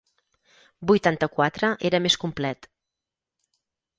Vuitanta-quatre era més complet.